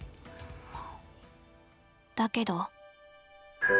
だけど。